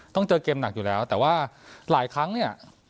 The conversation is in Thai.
ต้องเจอเกมหนักอยู่แล้วแต่ว่าหลายครั้งเนี่ย